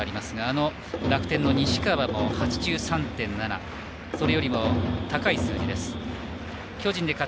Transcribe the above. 楽天の西川も８３．７それよりも高い数字を持っている和田です。